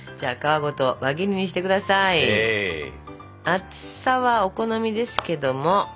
厚さはお好みですけども。